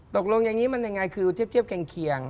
ตกลงอย่างนี้มันยังไงคือเทียบเคียง